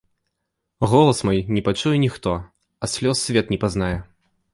Голас мой не пачуе ніхто, а слёз свет не пазнае.